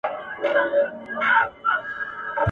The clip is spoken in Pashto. یا په ظلم یا انصاف به ختمېدلې ..